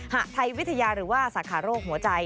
หะไทยวิทยาหรือว่าสาขาโรคหัวใจ